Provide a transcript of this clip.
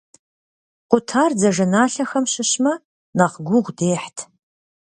Къутар дзажэналъэхэм щыщмэ, нэхъ гугъу дехьт.